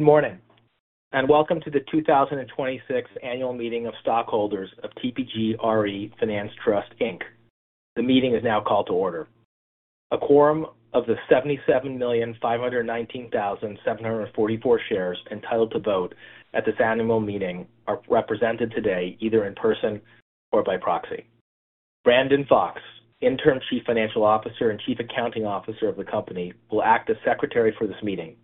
Morning, Welcome to the 2026 annual meeting of stockholders of TPG RE Finance Trust, Inc. The meeting is now called to order. A quorum of the 77,519,744 shares entitled to vote at this annual meeting are represented today, either in person or by proxy. Brandon Fox, Interim Chief Financial Officer and Chief Accounting Officer of the company, will act as Secretary for this meeting.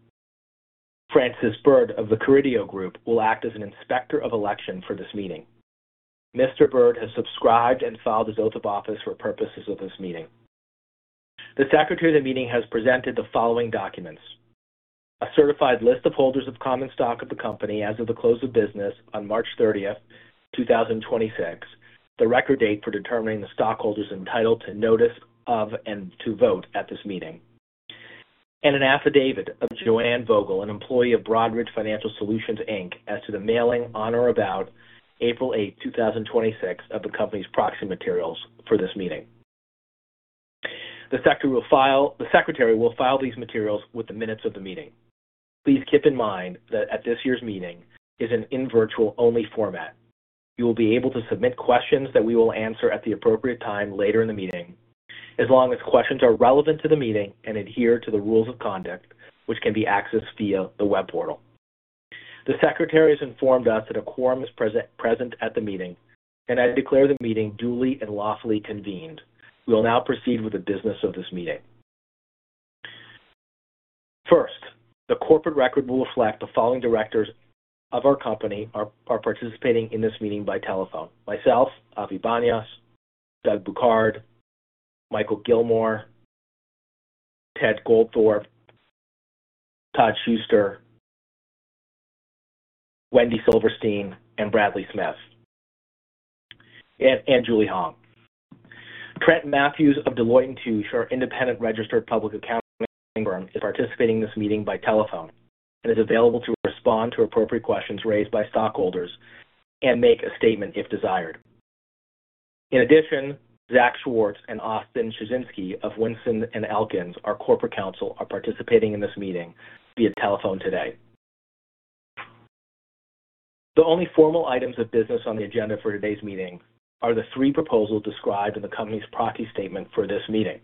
Francis Byrd of the Carideo Group will act as an inspector of election for this meeting. Mr. Byrd has subscribed and filed his oath of office for purposes of this meeting. The secretary of the meeting has presented the following documents: A certified list of holders of common stock of the company as of the close of business on March 30th, 2026, the record date for determining the stockholders entitled to notice of and to vote at this meeting. An affidavit of Joanne Vogel, an employee of Broadridge Financial Solutions, Inc., as to the mailing on or about April 8th, 2026, of the company's proxy materials for this meeting. The secretary will file these materials with the minutes of the meeting. Please keep in mind that at this year's meeting is an in virtual only format. You will be able to submit questions that we will answer at the appropriate time later in the meeting, as long as questions are relevant to the meeting and adhere to the rules of conduct which can be accessed via the web portal. The secretary has informed us that a quorum is present at the meeting, I declare the meeting duly and lawfully convened. We will now proceed with the business of this meeting. First, the corporate record will reflect the following directors of our company are participating in this meeting by telephone: Myself, Avi Banyasz, Doug Bouquard, Michael Gillmore, Ted Goldthorpe, Todd Schuster, Wendy Silverstein, Bradley Smith, and Julie Hong. Trent Matthews of Deloitte & Touche, our independent registered public accounting firm, is participating in this meeting by telephone and is available to respond to appropriate questions raised by stockholders and make a statement if desired. In addition, Zachary Schwartz and Austin Scieszinski of Vinson & Elkins, our corporate counsel, are participating in this meeting via telephone today. The only formal items of business on the agenda for today's meeting are the three proposals described in the company's proxy statement for this meeting.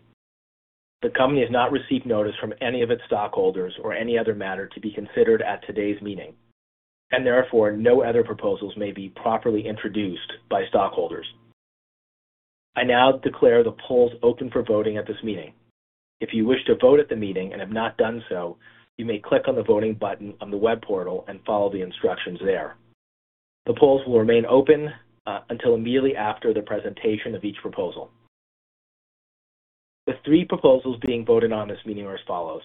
Therefore, no other proposals may be properly introduced by stockholders. I now declare the polls open for voting at this meeting. If you wish to vote at the meeting and have not done so, you may click on the voting button on the web portal and follow the instructions there. The polls will remain open until immediately after the presentation of each proposal. The three proposals being voted on this meeting are as follows.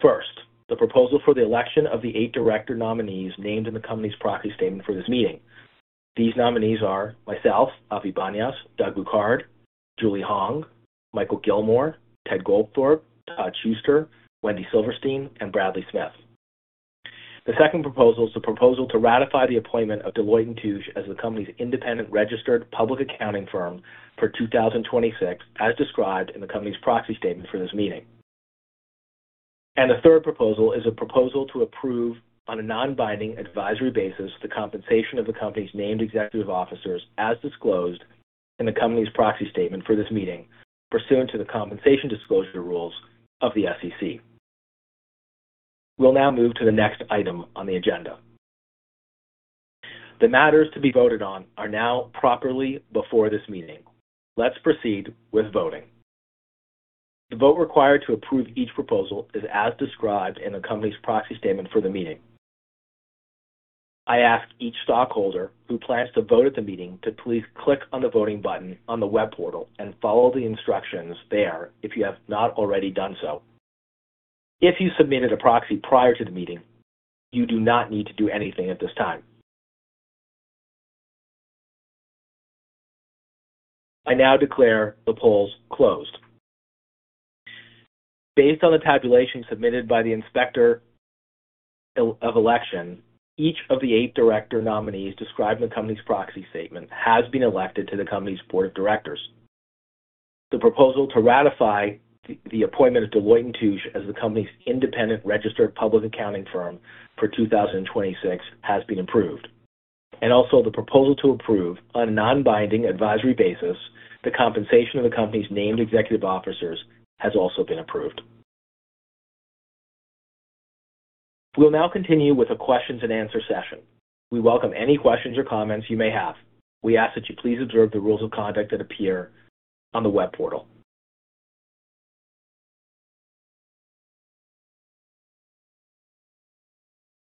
First, the proposal for the election of the 8 director nominees named in the company's proxy statement for this meeting. These nominees are myself, Avi Banyasz, Doug Bouquard, Julie Hong, Michael Gillmore, Ted Goldthorpe, Todd Schuster, Wendy Silverstein, and Bradley Smith. The second proposal is the proposal to ratify the appointment of Deloitte & Touche as the company's independent registered public accounting firm for 2026, as described in the company's proxy statement for this meeting. The third proposal is a proposal to approve, on a non-binding advisory basis, the compensation of the company's named executive officers as disclosed in the company's proxy statement for this meeting pursuant to the compensation disclosure rules of the SEC. We will now move to the next item on the agenda. The matters to be voted on are now properly before this meeting. Let's proceed with voting. The vote required to approve each proposal is as described in the company's proxy statement for the meeting. I ask each stockholder who plans to vote at the meeting to please click on the voting button on the web portal and follow the instructions there if you have not already done so. If you submitted a proxy prior to the meeting, you do not need to do anything at this time. I now declare the polls closed. Based on the tabulation submitted by the inspector of election, each of the eight director nominees described in the company's proxy statement has been elected to the company's Board of Directors. The proposal to ratify the appointment of Deloitte & Touche as the company's independent registered public accounting firm for 2026 has been approved. Also the proposal to approve, on a non-binding advisory basis, the compensation of the company's named executive officers has also been approved. We'll now continue with a questions and answer session. We welcome any questions or comments you may have. We ask that you please observe the rules of conduct that appear on the web portal.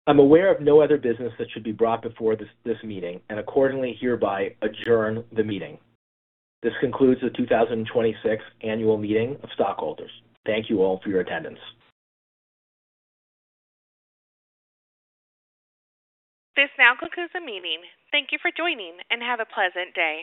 I'm aware of no other business that should be brought before this meeting and accordingly hereby adjourn the meeting. This concludes the 2026 annual meeting of stockholders. Thank you all for your attendance. This now concludes the meeting. Thank you for joining, and have a pleasant day.